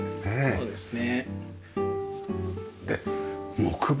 そうですね。